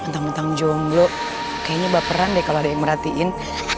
bentang bentang jomblo kayaknya baperan deh kalo ada yang merhatiin